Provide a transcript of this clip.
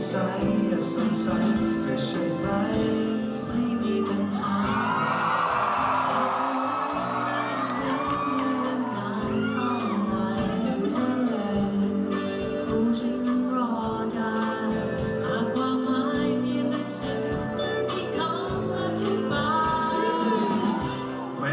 ฉันรอดาหาความหมายที่ลึกศึกในคำอธิบาย